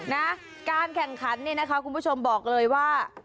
นะการแข่งขันเนี่ยนะคะคุณผู้ชมบอกเลยว่า